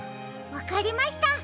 わかりました！